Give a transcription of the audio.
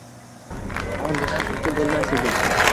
oldidan o‘tib bo‘lmas edi.